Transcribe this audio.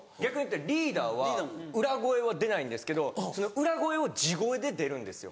リーダーは裏声は出ないんですけど裏声を地声で出るんですよ。